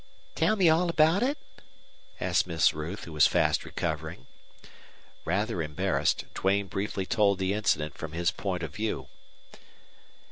"Tell me all about it?" asked Miss Ruth, who was fast recovering. Rather embarrassed, Duane briefly told the incident from his point of view.